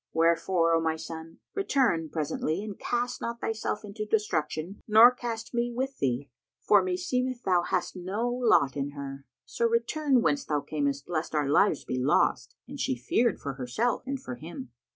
Wherefore, O my son, return presently and cast not thyself into destruction nor cast me with thee; for meseemeth thou hast no lot in her; so return whence thou camest lest our lives be lost." And she feared for herself and for him.